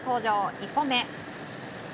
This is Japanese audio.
１本目。